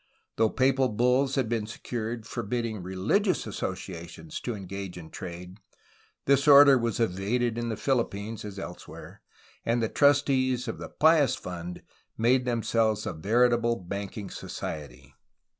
Though papal bulls had been secured forbidding religious associations to engage in trade, this order was evaded in the Philippines as elsewhere, and the trustees of the Pious Fund made themselves a veritable banking society.